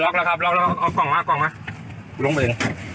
ครับเราเอากล่องมากล่องมาลงไป